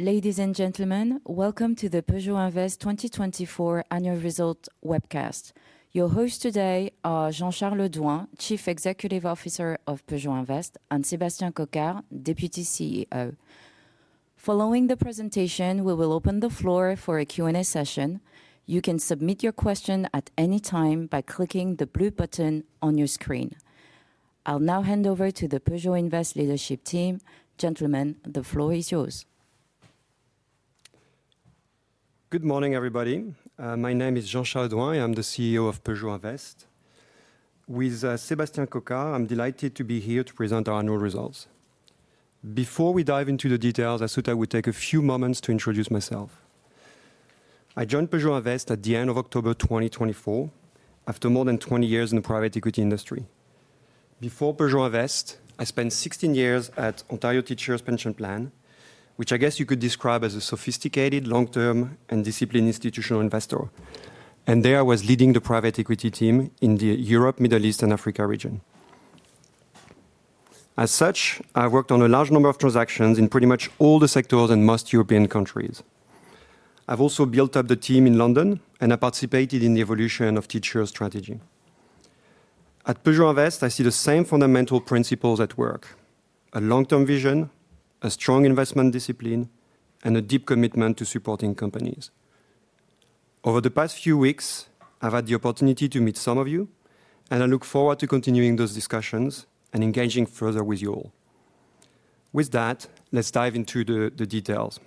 Ladies and gentlemen, welcome to the Peugeot Invest 2024 Annual Results webcast. Your hosts today are Jean-Charles Douin, Chief Executive Officer of Peugeot Invest, and Sébastien Coquard, Deputy CEO. Following the presentation, we will open the floor for a Q&A session. You can submit your question at any time by clicking the blue button on your screen. I'll now hand over to the Peugeot Invest leadership team. Gentlemen, the floor is yours. Good morning, everybody. My name is Jean-Charles Douin, and I'm the CEO of Peugeot Invest. With Sébastien Coquard, I'm delighted to be here to present our annual results. Before we dive into the details, I thought I would take a few moments to introduce myself. I joined Peugeot Invest at the end of October 2024, after more than 20 years in the private equity industry. Before Peugeot Invest, I spent 16 years at Ontario Teachers' Pension Plan, which I guess you could describe as a sophisticated, long-term, and disciplined institutional investor. There I was leading the private equity team in the Europe, Middle East, and Africa region. As such, I've worked on a large number of transactions in pretty much all the sectors in most European countries. I've also built up the team in London, and I participated in the evolution of Teachers' Strategy. At Peugeot Invest, I see the same fundamental principles at work: a long-term vision, a strong investment discipline, and a deep commitment to supporting companies. Over the past few weeks, I've had the opportunity to meet some of you, and I look forward to continuing those discussions and engaging further with you all. With that, let's dive into the details.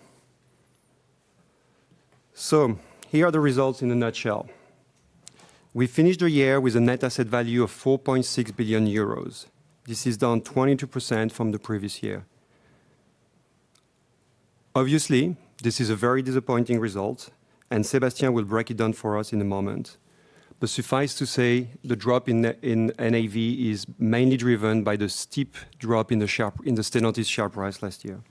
Here are the results in a nutshell. We finished the year with a net asset value of 4.6 billion euros. This is down 22% from the previous year. Obviously, this is a very disappointing result, and Sébastien will break it down for us in a moment. Suffice to say, the drop in NAV is mainly driven by the steep drop in the Stellantis share price last year.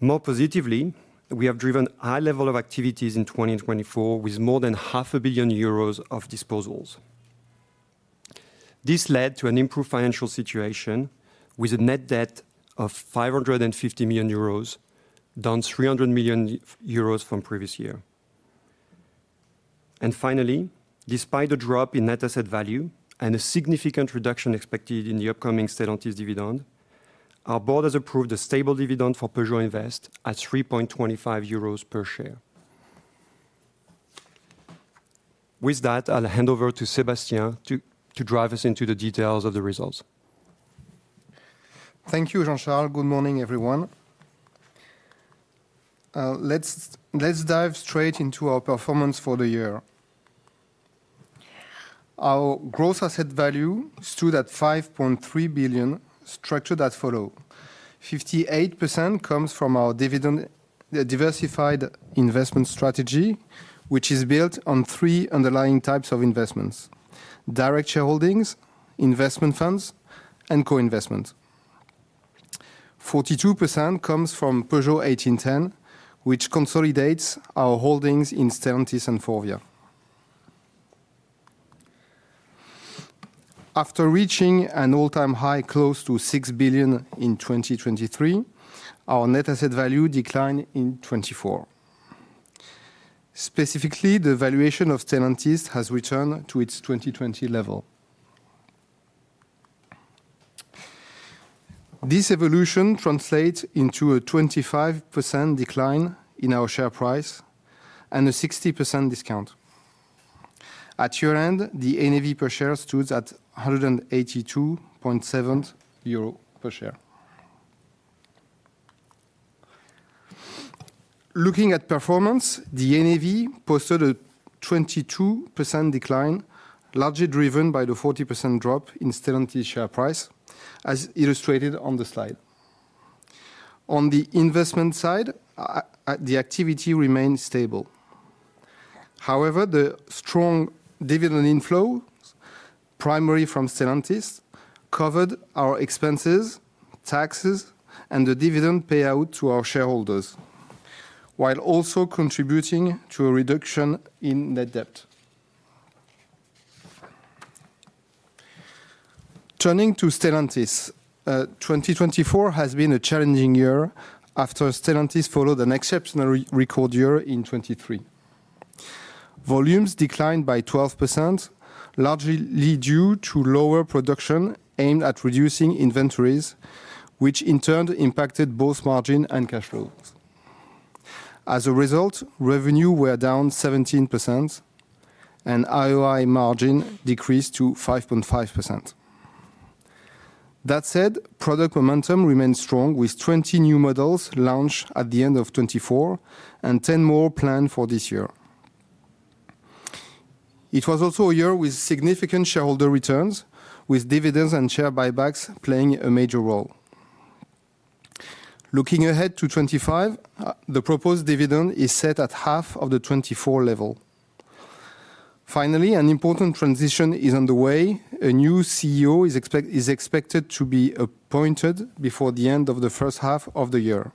More positively, we have driven a high level of activities in 2024 with more than 500 million euros of disposals. This led to an improved financial situation with a net debt of 550 million euros, down 300 million euros from the previous year. Finally, despite the drop in net asset value and a significant reduction expected in the upcoming Stellantis dividend, our board has approved a stable dividend for Peugeot Invest at 3.25 euros per share. With that, I'll hand over to Sébastien to drive us into the details of the results. Thank you, Jean-Charles. Good morning, everyone. Let's dive straight into our performance for the year. Our gross asset value stood at 5.3 billion, structured as follows. 58% comes from our diversified investment strategy, which is built on three underlying types of investments: direct shareholdings, investment funds, and co-investments. 42% comes from Peugeot 1810, which consolidates our holdings in Stellantis and Forvia. After reaching an all-time high close to 6 billion in 2023, our net asset value declined in 2024. Specifically, the valuation of Stellantis has returned to its 2020 level. This evolution translates into a 25% decline in our share price and a 60% discount. At year-end, the NAV per share stood at 182.7 euro per share. Looking at performance, the NAV posted a 22% decline, largely driven by the 40% drop in Stellantis share price, as illustrated on the slide. On the investment side, the activity remained stable. However, the strong dividend inflow, primarily from Stellantis, covered our expenses, taxes, and the dividend payout to our shareholders, while also contributing to a reduction in net debt. Turning to Stellantis, 2024 has been a challenging year after Stellantis followed an exceptional record year in 2023. Volumes declined by 12%, largely due to lower production aimed at reducing inventories, which in turn impacted both margin and cash flows. As a result, revenue were down 17%, and AOI margin decreased to 5.5%. That said, product momentum remained strong, with 20 new models launched at the end of 2024 and 10 more planned for this year. It was also a year with significant shareholder returns, with dividends and share buybacks playing a major role. Looking ahead to 2025, the proposed dividend is set at half of the 2024 level. Finally, an important transition is underway. A new CEO is expected to be appointed before the end of the first half of the year.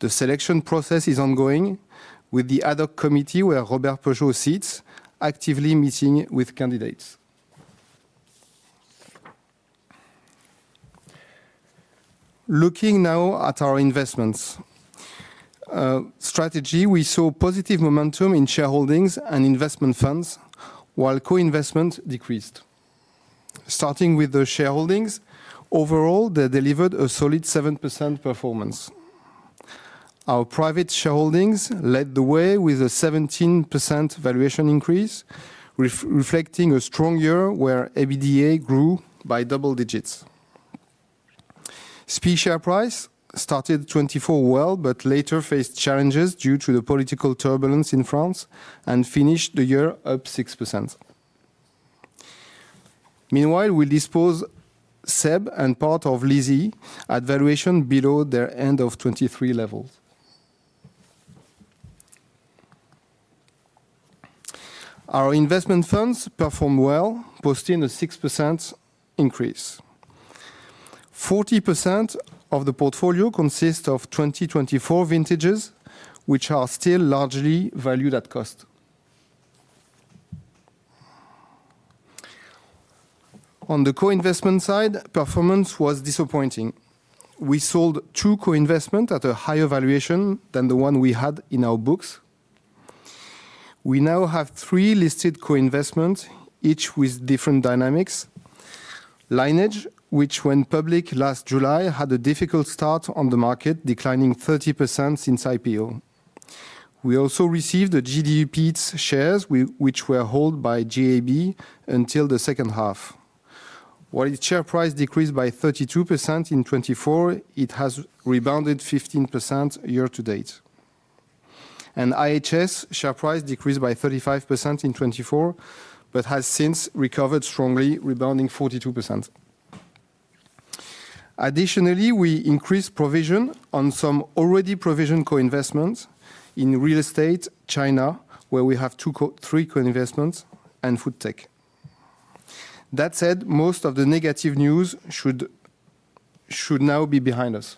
The selection process is ongoing, with the Ad Hoc Committee, where Robert Peugeot sits, actively meeting with candidates. Looking now at our investments strategy, we saw positive momentum in shareholdings and investment funds, while co-investments decreased. Starting with the shareholdings, overall, they delivered a solid 7% performance. Our private shareholdings led the way with a 17% valuation increase, reflecting a strong year where EBITDA grew by double digits. SPIE share price started 2024 well, but later faced challenges due to the political turbulence in France and finished the year up 6%. Meanwhile, we disposed SEB and part of LISI at valuation below their end-of-2023 levels. Our investment funds performed well, posting a 6% increase. 40% of the portfolio consists of 2024 vintages, which are still largely valued at cost. On the co-investment side, performance was disappointing. We sold two co-investments at a higher valuation than the one we had in our books. We now have three listed co-investments, each with different dynamics. Lineage, which went public last July, had a difficult start on the market, declining 30% since IPO. We also received the JDE's shares, which were held by JAB until the second half. While its share price decreased by 32% in 2024, it has rebounded 15% year-to-date. IHS share price decreased by 35% in 2024 but has since recovered strongly, rebounding 42%. Additionally, we increased provision on some already provisioned co-investments in real estate, China, where we have three co-investments, and food tech. That said, most of the negative news should now be behind us.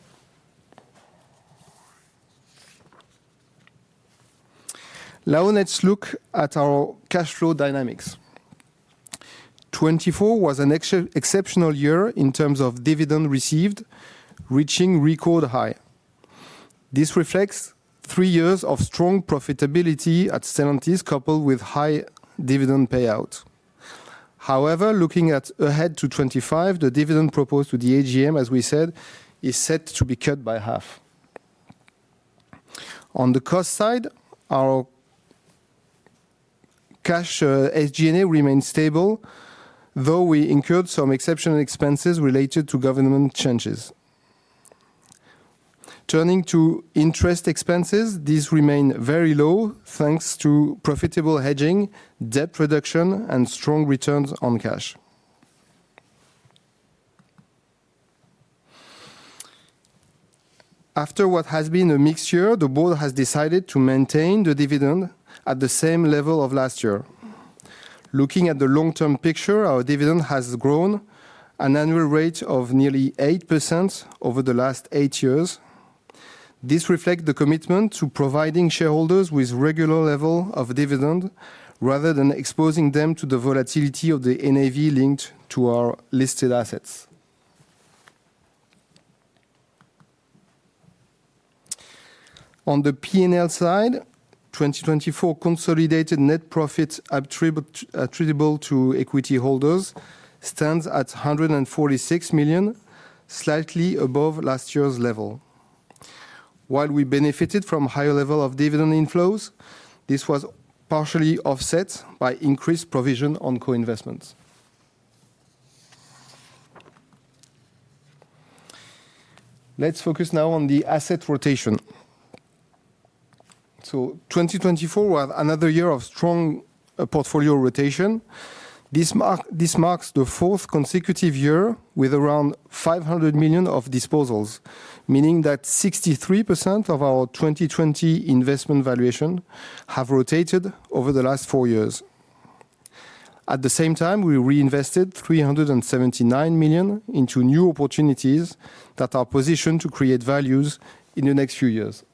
Now let's look at our cash flow dynamics. 2024 was an exceptional year in terms of dividend received, reaching record high. This reflects three years of strong profitability at Stellantis, coupled with high dividend payouts. However, looking ahead to 2025, the dividend proposed to the AGM, as we said, is set to be cut by half. On the cost side, our cash SG&A remained stable, though we incurred some exceptional expenses related to government changes. Turning to interest expenses, these remain very low thanks to profitable hedging, debt reduction, and strong returns on cash. After what has been a mixed year, the board has decided to maintain the dividend at the same level of last year. Looking at the long-term picture, our dividend has grown, an annual rate of nearly 8% over the last eight years. This reflects the commitment to providing shareholders with a regular level of dividend rather than exposing them to the volatility of the NAV linked to our listed assets. On the P&L side, 2024 consolidated net profits attributable to equity holders stands at 146 million, slightly above last year's level. While we benefited from a higher level of dividend inflows, this was partially offset by increased provision on co-investments. Let's focus now on the asset rotation. 2024 was another year of strong portfolio rotation. This marks the fourth consecutive year with around 500 million of disposals, meaning that 63% of our 2020 investment valuation have rotated over the last four years. At the same time, we reinvested 379 million into new opportunities that are positioned to create values in the next few years.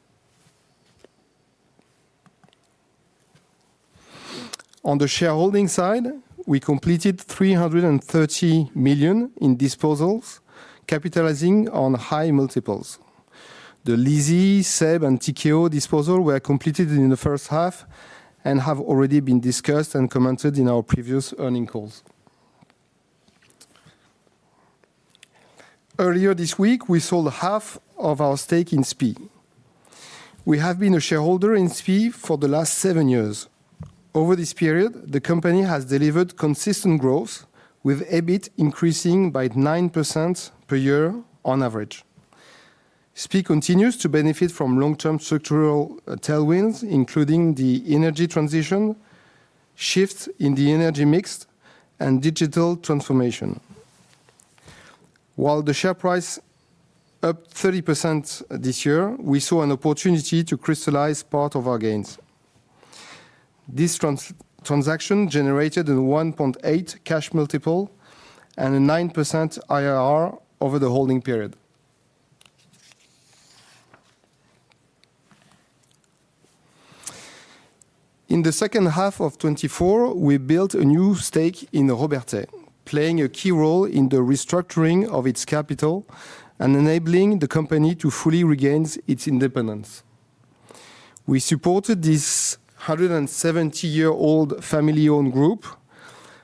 On the shareholding side, we completed 330 million in disposals, capitalizing on high multiples. The LISI, SEB, and TKO disposal were completed in the first half and have already been discussed and commented in our previous earning calls. Earlier this week, we sold half of our stake in SPIE. We have been a shareholder in SPIE for the last seven years. Over this period, the company has delivered consistent growth, with EBIT increasing by 9% per year on average. SPIE continues to benefit from long-term structural tailwinds, including the energy transition, shifts in the energy mix, and digital transformation. While the share price is up 30% this year, we saw an opportunity to crystallize part of our gains. This transaction generated a 1.8 cash multiple and a 9% IRR over the holding period. In the second half of 2024, we built a new stake in Robertet, playing a key role in the restructuring of its capital and enabling the company to fully regain its independence. We supported this 170-year-old family-owned group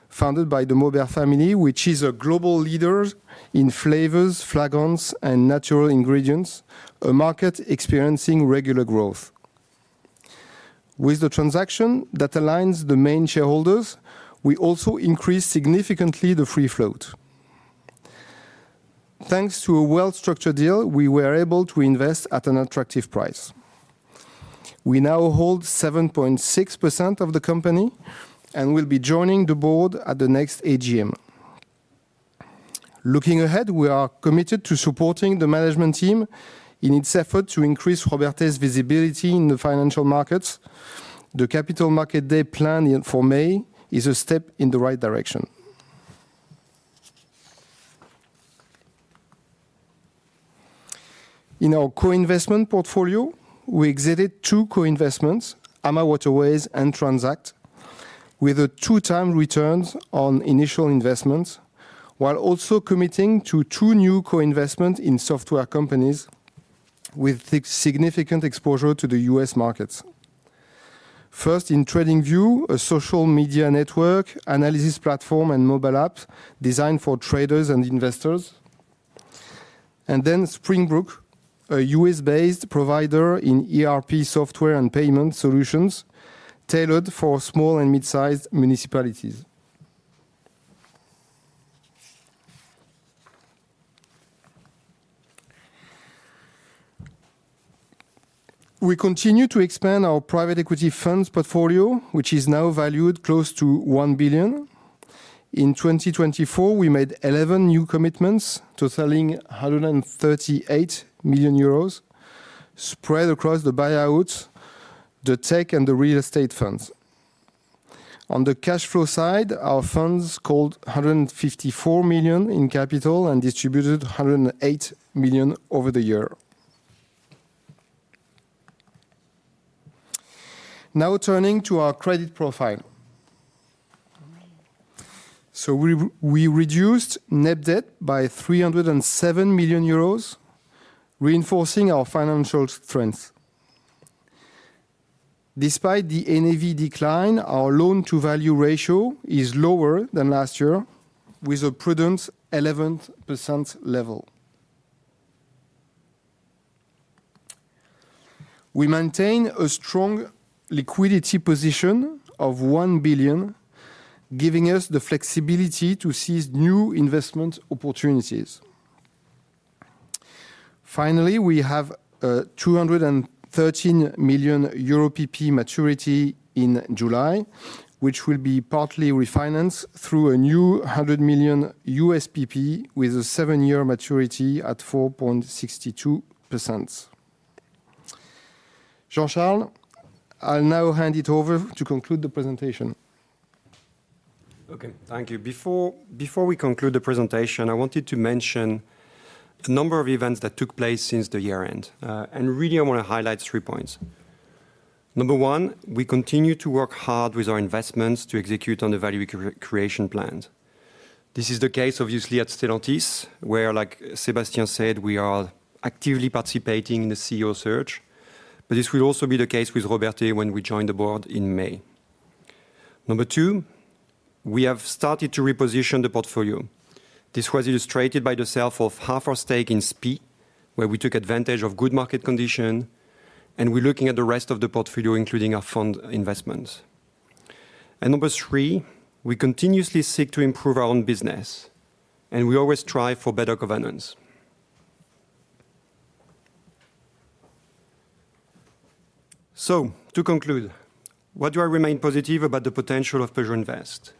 founded by the Maubert family, which is a global leader in flavors, fragrances, and natural ingredients, a market experiencing regular growth. With the transaction that aligns the main shareholders, we also increased significantly the free float. Thanks to a well-structured deal, we were able to invest at an attractive price. We now hold 7.6% of the company and will be joining the board at the next AGM. Looking ahead, we are committed to supporting the management team in its effort to increase Robertet's visibility in the financial markets. The Capital Markets Day planned for May is a step in the right direction. In our co-investment portfolio, we exited two co-investments, AmaWaterways and Transact, with a two-time return on initial investments, while also committing to two new co-investments in software companies with significant exposure to the U.S. markets. First, in TradingView, a social media network, analysis platform, and mobile app designed for traders and investors. Then Springbrook, a U.S.-based provider in ERP software and payment solutions tailored for small and mid-sized municipalities. We continue to expand our private equity funds portfolio, which is now valued close to 1 billion. In 2024, we made 11 new commitments totaling 138 million euros spread across the buyouts, the tech, and the real estate funds. On the cash flow side, our funds called 154 million in capital and distributed 108 million over the year. Now turning to our credit profile. We reduced net debt by 307 million euros, reinforcing our financial strength. Despite the NAV decline, our loan-to-value ratio is lower than last year, with a prudent 11% level. We maintain a strong liquidity position of 1 billion, giving us the flexibility to seize new investment opportunities. Finally, we have 213 million Euro PP maturity in July, which will be partly refinanced through a new 100 million U.S. PP with a seven-year maturity at 4.62%. Jean-Charles, I'll now hand it over to conclude the presentation. Okay, thank you. Before we conclude the presentation, I wanted to mention a number of events that took place since the year-end. I really want to highlight three points. Number one, we continue to work hard with our investments to execute on the value creation plans. This is the case, obviously, at Stellantis, where, like Sébastien said, we are actively participating in the CEO search. This will also be the case with Robertet when we join the board in May. Number two, we have started to reposition the portfolio. This was illustrated by the sale of half our stake in SPIE, where we took advantage of good market conditions, and we're looking at the rest of the portfolio, including our fund investments. Number three, we continuously seek to improve our own business, and we always strive for better governance. To conclude, what do I remain positive about the potential of Peugeot Invest?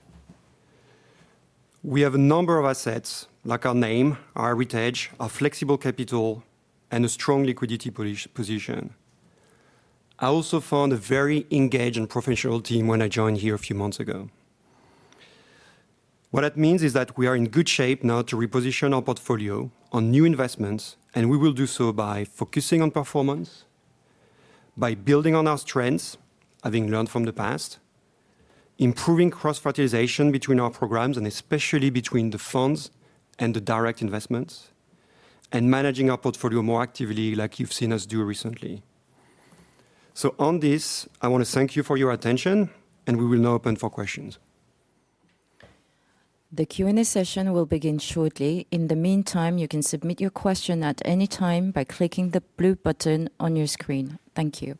We have a number of assets, like our name, our heritage, our flexible capital, and a strong liquidity position. I also found a very engaged and professional team when I joined here a few months ago. What that means is that we are in good shape now to reposition our portfolio on new investments, and we will do so by focusing on performance, by building on our strengths, having learned from the past, improving cross-fertilization between our programs, and especially between the funds and the direct investments, and managing our portfolio more actively, like you've seen us do recently. On this, I want to thank you for your attention, and we will now open for questions. The Q&A session will begin shortly. In the meantime, you can submit your question at any time by clicking the blue button on your screen. Thank you.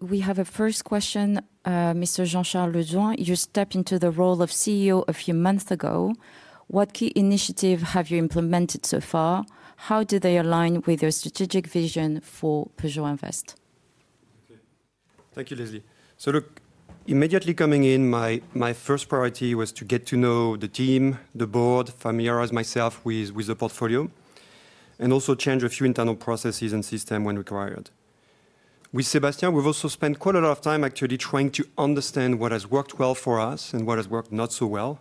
We have a first question, Mr. Jean-Charles Douin. You stepped into the role of CEO a few months ago. What key initiatives have you implemented so far? How do they align with your strategic vision for Peugeot Invest? Okay, thank you, Leslie. Look, immediately coming in, my first priority was to get to know the team, the board, familiarize myself with the portfolio, and also change a few internal processes and systems when required. With Sébastien, we've also spent quite a lot of time actually trying to understand what has worked well for us and what has worked not so well.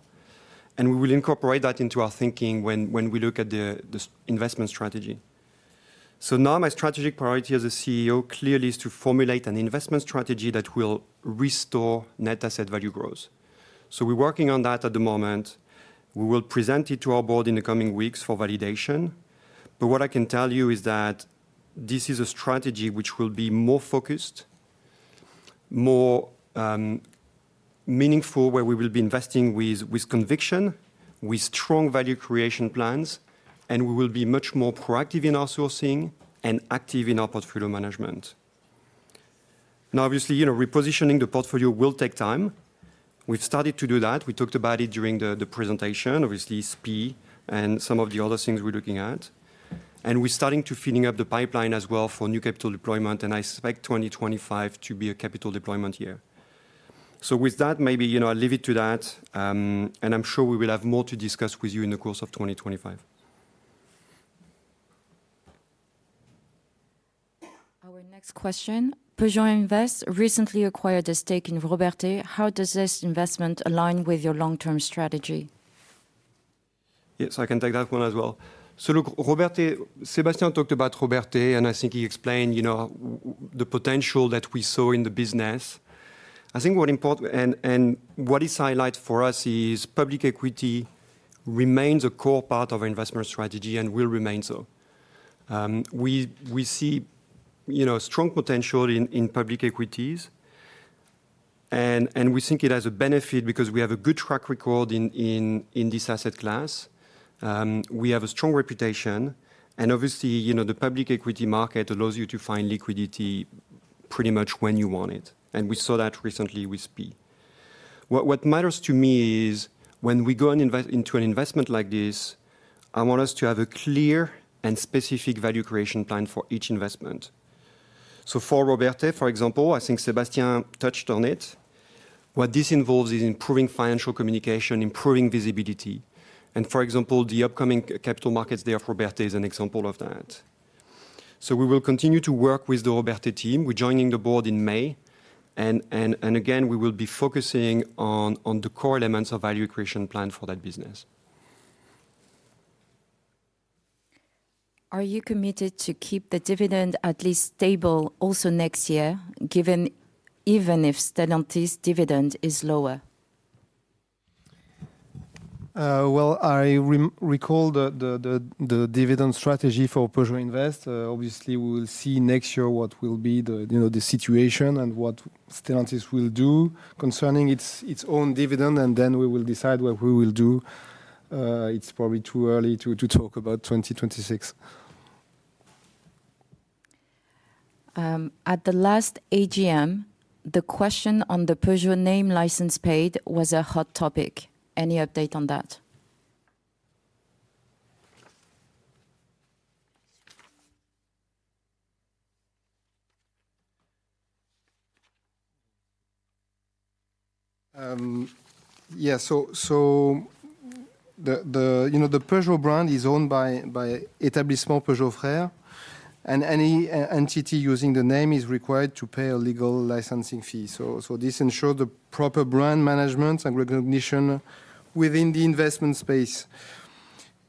We will incorporate that into our thinking when we look at the investment strategy. Now my strategic priority as CEO clearly is to formulate an investment strategy that will restore net asset value growth. We're working on that at the moment. We will present it to our board in the coming weeks for validation. What I can tell you is that this is a strategy which will be more focused, more meaningful, where we will be investing with conviction, with strong value creation plans, and we will be much more proactive in our sourcing and active in our portfolio management. Now, obviously, repositioning the portfolio will take time. We have started to do that. We talked about it during the presentation, obviously, SPIE and some of the other things we are looking at. We are starting to fill up the pipeline as well for new capital deployment, and I expect 2025 to be a capital deployment year. With that, maybe I will leave it to that. I am sure we will have more to discuss with you in the course of 2025. Our next question. Peugeot Invest recently acquired a stake in Robertet. How does this investment align with your long-term strategy? Yes, I can take that one as well. Look, Robertet, Sébastien talked about Robertet, and I think he explained the potential that we saw in the business. I think what is important and what is highlighted for us is public equity remains a core part of our investment strategy and will remain so. We see strong potential in public equities, and we think it has a benefit because we have a good track record in this asset class. We have a strong reputation. Obviously, the public equity market allows you to find liquidity pretty much when you want it. We saw that recently with SPIE. What matters to me is when we go into an investment like this, I want us to have a clear and specific value creation plan for each investment. For Robertet, for example, I think Sébastien touched on it. What this involves is improving financial communication, improving visibility. For example, the upcoming capital markets day of Robertet is an example of that. We will continue to work with the Robertet team. We are joining the board in May. Again, we will be focusing on the core elements of value creation plan for that business. Are you committed to keep the dividend at least stable also next year, even if Stellantis' dividend is lower? I recall the dividend strategy for Peugeot Invest. Obviously, we will see next year what will be the situation and what Stellantis will do concerning its own dividend, and then we will decide what we will do. It is probably too early to talk about 2026. At the last AGM, the question on the Peugeot name license plate was a hot topic. Any update on that? Yeah, so the Peugeot brand is owned by Établissements Peugeot Frères, and any entity using the name is required to pay a legal licensing fee. This ensures the proper brand management and recognition within the investment space.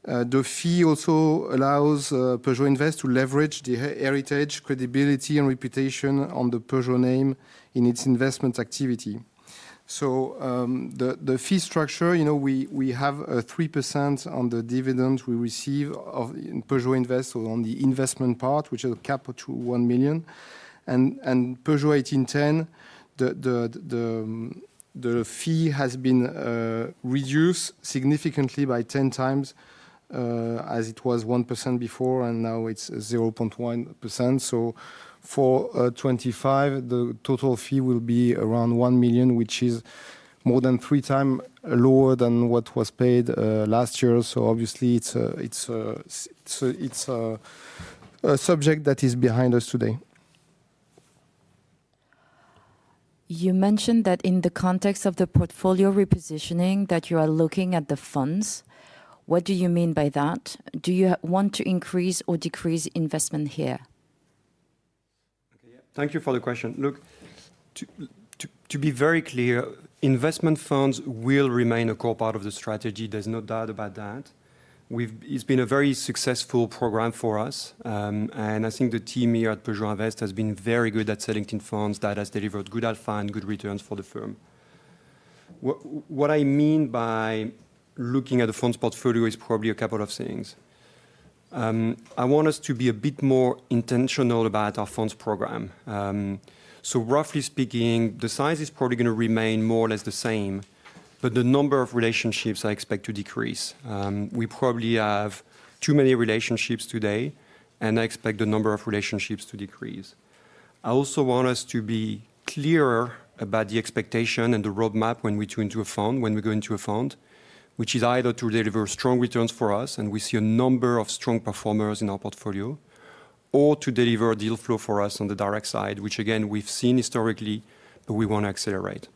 The fee also allows Peugeot Invest to leverage the heritage, credibility, and reputation on the Peugeot name in its investment activity. The fee structure, we have 3% on the dividends we receive in Peugeot Invest on the investment part, which is capped to 1 million. Peugeot 1810, the fee has been reduced significantly by 10 times as it was 1% before, and now it is 0.1%. For 2025, the total fee will be around 1 million, which is more than three times lower than what was paid last year. Obviously, it is a subject that is behind us today. You mentioned that in the context of the portfolio repositioning, that you are looking at the funds. What do you mean by that? Do you want to increase or decrease investment here? Okay, yeah, thank you for the question. Look, to be very clear, investment funds will remain a core part of the strategy. There's no doubt about that. It's been a very successful program for us. I think the team here at Peugeot Invest has been very good at selecting funds that have delivered good alpha and good returns for the firm. What I mean by looking at the funds portfolio is probably a couple of things. I want us to be a bit more intentional about our funds program. So roughly speaking, the size is probably going to remain more or less the same, but the number of relationships I expect to decrease. We probably have too many relationships today, and I expect the number of relationships to decrease. I also want us to be clearer about the expectation and the roadmap when we turn into a fund, when we go into a fund, which is either to deliver strong returns for us, and we see a number of strong performers in our portfolio, or to deliver deal flow for us on the direct side, which, again, we've seen historically, but we want to accelerate.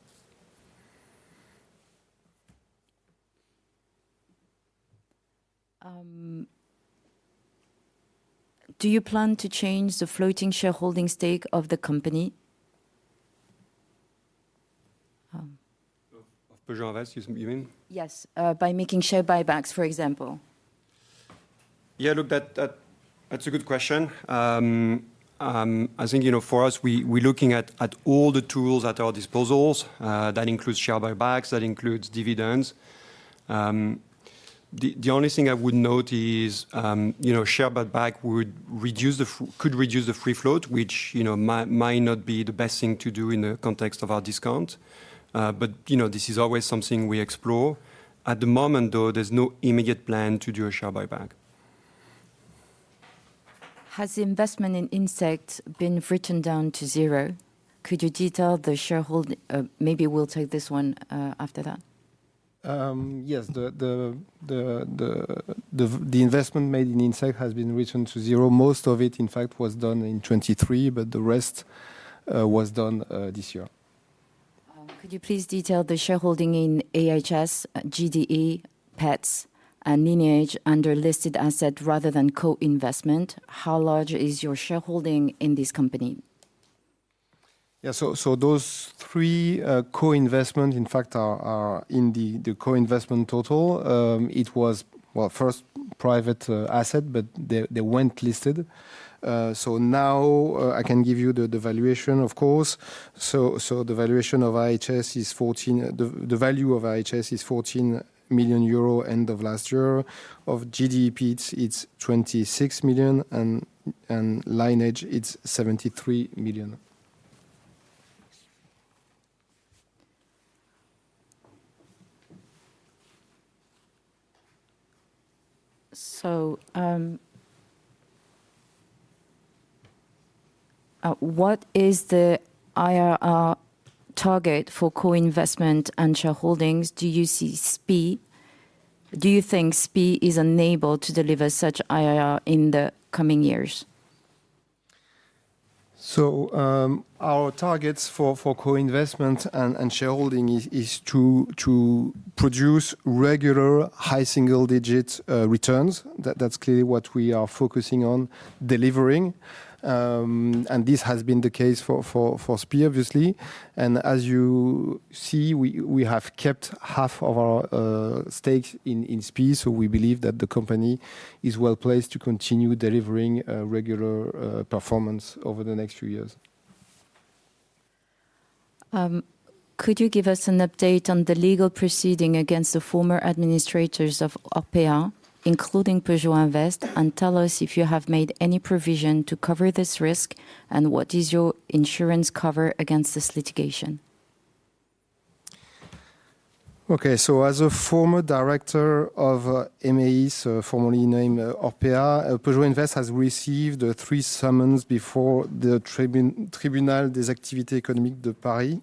Do you plan to change the floating shareholding stake of the company? Of Peugeot Invest, you mean? Yes, by making share buybacks, for example. Yeah, look, that's a good question. I think for us, we're looking at all the tools at our disposal. That includes share buybacks, that includes dividends. The only thing I would note is share buyback could reduce the free float, which might not be the best thing to do in the context of our discount. This is always something we explore. At the moment, though, there's no immediate plan to do a share buyback. Has the investment in Ynsect been written down to zero? Could you detail the shareholding? Maybe we'll take this one after that. Yes, the investment made in Ynsect has been written to zero. Most of it, in fact, was done in 2023, but the rest was done this year. Could you please detail the shareholding in IHS, JDE Peet's, and Lineage under listed asset rather than co-investment? How large is your shareholding in this company? Yeah, those three co-investments, in fact, are in the co-investment total. It was, first private asset, but they went listed. Now I can give you the valuation, of course. The valuation of IHS is 14 million, the value of IHS is 14 million euro end of last year. Of JDE, it's 26 million, and Lineage, it's 73 million. What is the IRR target for co-investment and shareholdings? Do you see SPIE? Do you think SPIE is unable to deliver such IRR in the coming years? Our targets for co-investment and shareholding is to produce regular high single-digit returns. That's clearly what we are focusing on delivering. This has been the case for SPIE, obviously. As you see, we have kept half of our stake in SPIE, so we believe that the company is well placed to continue delivering regular performance over the next few years. Could you give us an update on the legal proceeding against the former administrators of Orpéa, including Peugeot Invest, and tell us if you have made any provision to cover this risk, and what is your insurance cover against this litigation? Okay, as a former director of Emeis, formerly named Orpéa, Peugeot Invest has received three summons before the Tribunal des Activités Économiques de Paris.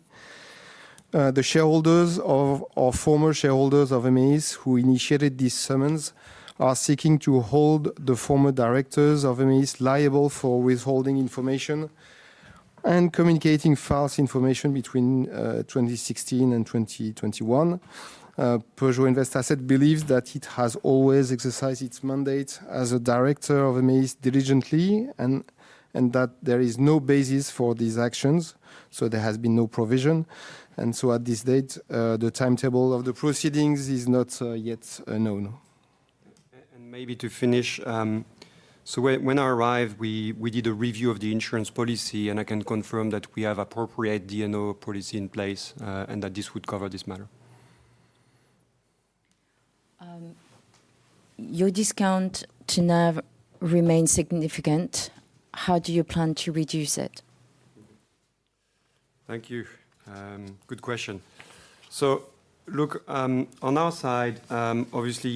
The shareholders or former shareholders of Emeis who initiated these summons are seeking to hold the former directors of Emeis liable for withholding information and communicating false information between 2016 and 2021. Peugeot Invest believes that it has always exercised its mandate as a director of Emeis diligently and that there is no basis for these actions. There has been no provision. At this date, the timetable of the proceedings is not yet known. Maybe to finish, when I arrived, we did a review of the insurance policy, and I can confirm that we have appropriate D&O policy in place and that this would cover this matter. Your discount to NAV remains significant. How do you plan to reduce it? Thank you. Good question. Look, on our side, obviously,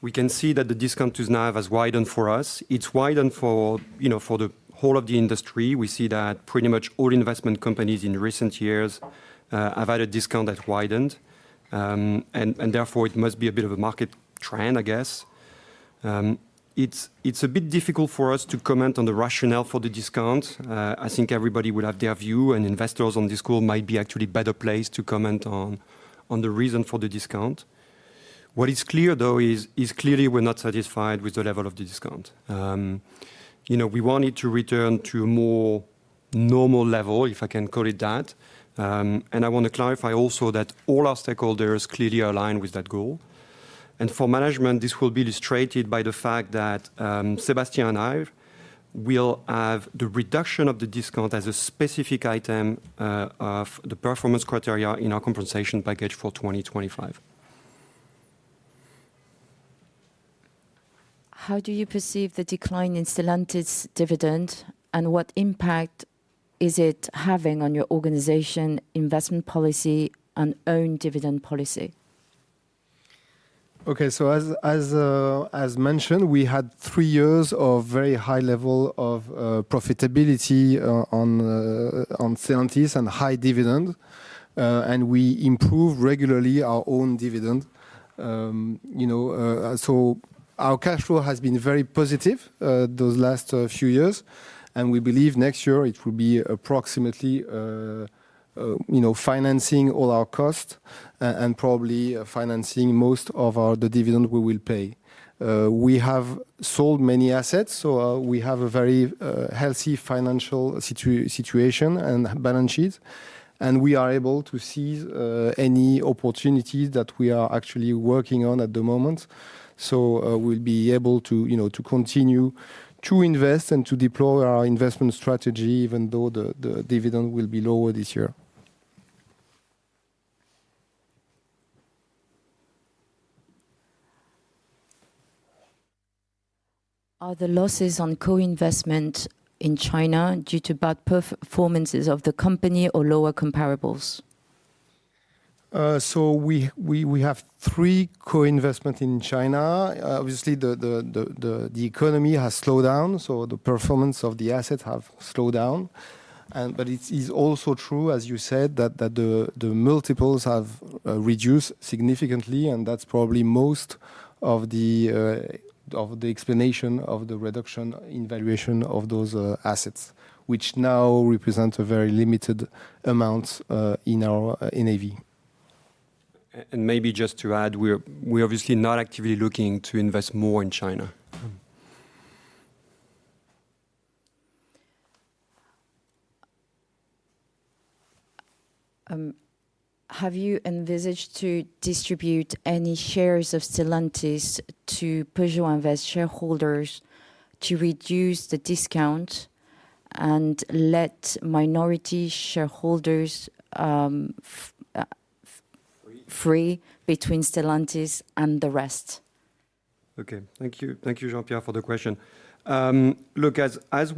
we can see that the discount to NAV has widened for us. It's widened for the whole of the industry. We see that pretty much all investment companies in recent years have had a discount that widened. Therefore, it must be a bit of a market trend, I guess. It's a bit difficult for us to comment on the rationale for the discount. I think everybody will have their view, and investors on this call might be actually better placed to comment on the reason for the discount. What is clear, though, is clearly we're not satisfied with the level of the discount. We want it to return to a more normal level, if I can call it that. I want to clarify also that all our stakeholders clearly align with that goal. For management, this will be illustrated by the fact that Sébastien and I will have the reduction of the discount as a specific item of the performance criteria in our compensation package for 2025. How do you perceive the decline in Stellantis' dividend, and what impact is it having on your organization, investment policy, and own dividend policy? Okay, as mentioned, we had three years of very high level of profitability on Stellantis and high dividend. We improve regularly our own dividend. Our cash flow has been very positive those last few years. We believe next year it will be approximately financing all our costs and probably financing most of the dividend we will pay. We have sold many assets, so we have a very healthy financial situation and balance sheet. We are able to seize any opportunities that we are actually working on at the moment. We will be able to continue to invest and to deploy our investment strategy, even though the dividend will be lower this year. Are the losses on co-investment in China due to bad performances of the company or lower comparables? We have three co-investments in China. Obviously, the economy has slowed down, so the performance of the assets has slowed down. It is also true, as you said, that the multiples have reduced significantly, and that's probably most of the explanation of the reduction in valuation of those assets, which now represent a very limited amount in NAV. Maybe just to add, we're obviously not actively looking to invest more in China. Have you envisaged to distribute any shares of Stellantis to Peugeot Invest shareholders to reduce the discount and let minority shareholders free between Stellantis and the rest? Okay, thank you, Jean-Pierre, for the question. Look, as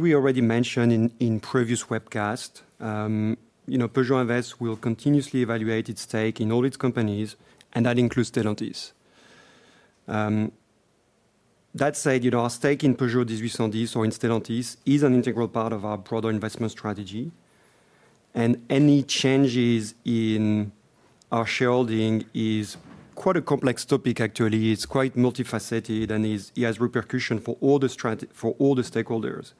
we already mentioned in previous webcasts, Peugeot Invest will continuously evaluate its stake in all its companies, and that includes Stellantis. That said, our stake in Peugeot 1810 or in Stellantis is an integral part of our broader investment strategy. Any changes in our shareholding is quite a complex topic, actually. It's quite multifaceted and it has repercussions for all the stakeholders.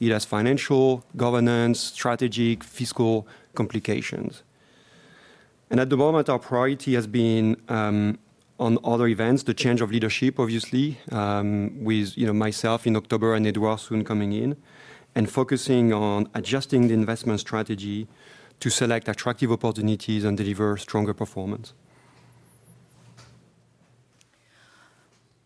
It has financial, governance, strategic, fiscal complications. At the moment, our priority has been on other events, the change of leadership, obviously, with myself in October and Édouard soon coming in, and focusing on adjusting the investment strategy to select attractive opportunities and deliver stronger performance.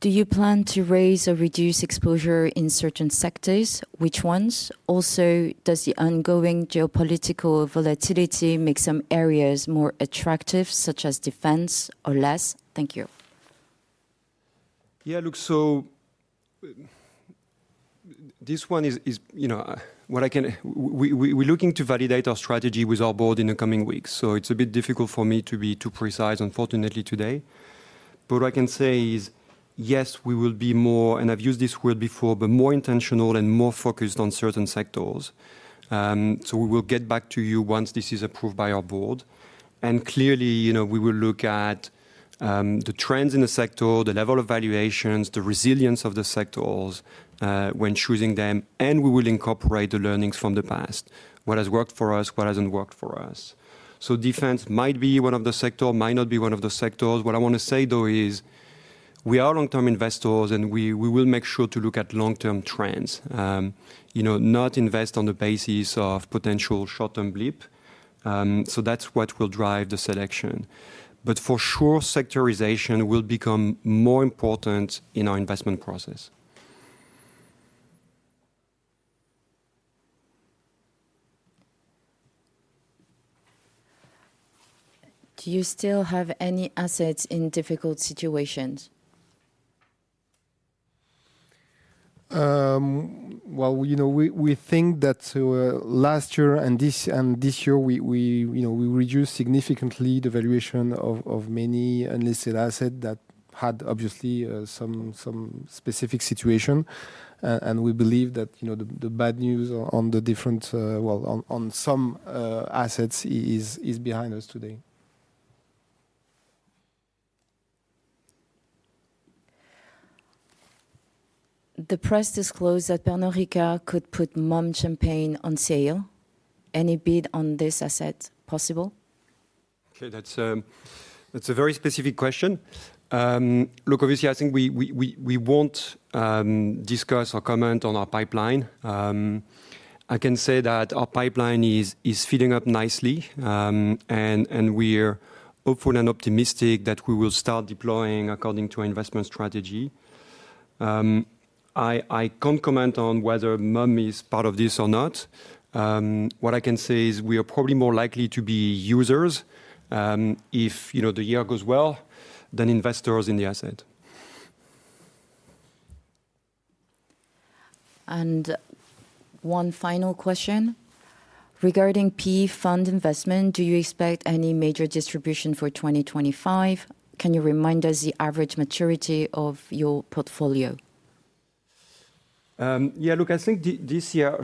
Do you plan to raise or reduce exposure in certain sectors? Which ones? Also, does the ongoing geopolitical volatility make some areas more attractive, such as defense, or less? Thank you. Yeah, look, this one is what I can say, we're looking to validate our strategy with our board in the coming weeks. It's a bit difficult for me to be too precise, unfortunately, today. What I can say is, yes, we will be more, and I've used this word before, but more intentional and more focused on certain sectors. We will get back to you once this is approved by our board. Clearly, we will look at the trends in the sector, the level of valuations, the resilience of the sectors when choosing them, and we will incorporate the learnings from the past, what has worked for us, what has not worked for us. Defense might be one of the sectors, might not be one of the sectors. What I want to say, though, is we are long-term investors, and we will make sure to look at long-term trends, not invest on the basis of potential short-term blip. That is what will drive the selection. For sure, sectorization will become more important in our investment process. Do you still have any assets in difficult situations? We think that last year and this year, we reduced significantly the valuation of many unlisted assets that had, obviously, some specific situation. We believe that the bad news on the different, well, on some assets is behind us today. The press disclosed that Pernod Ricard could put Mumm Champagne on sale. Any bid on this asset possible? Okay, that's a very specific question. Look, obviously, I think we won't discuss or comment on our pipeline. I can say that our pipeline is filling up nicely, and we're hopeful and optimistic that we will start deploying according to our investment strategy. I can't comment on whether Mumm is part of this or not. What I can say is we are probably more likely to be users if the year goes well than investors in the asset. One final question. Regarding PE fund investment, do you expect any major distribution for 2025? Can you remind us the average maturity of your portfolio? Yeah, look, I think this year,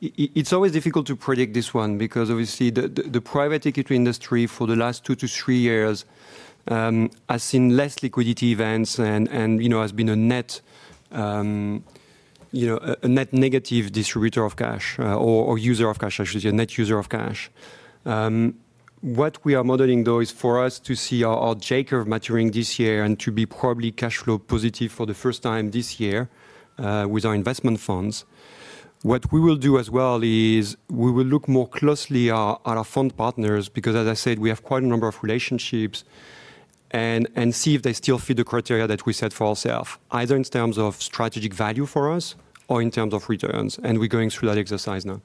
it's always difficult to predict this one because, obviously, the private equity industry for the last two to three years has seen less liquidity events and has been a net negative distributor of cash or user of cash, I should say, a net user of cash. What we are modeling, though, is for us to see our J-curve maturing this year and to be probably cash flow positive for the first time this year with our investment funds. What we will do as well is we will look more closely at our fund partners because, as I said, we have quite a number of relationships and see if they still fit the criteria that we set for ourselves, either in terms of strategic value for us or in terms of returns. We are going through that exercise now.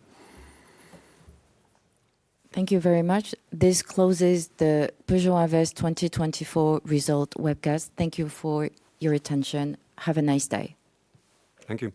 Thank you very much. This closes the Peugeot Invest 2024 result webcast. Thank you for your attention. Have a nice day. Thank you.